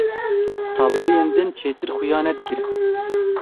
Tabloyên din çêtir xuya nedikirin.